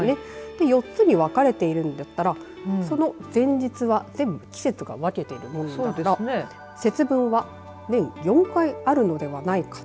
４つに分かれているんだったらその前日は全部、季節を分けているものなんですが節分は年４回あるのではないか。